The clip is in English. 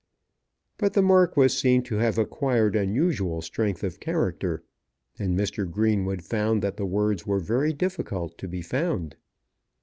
But the Marquis seemed to have acquired unusual strength of character; and Mr. Greenwood found that words were very difficult to be found.